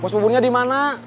bos buburnya dimana